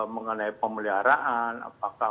mengenai pemeliharaan apakah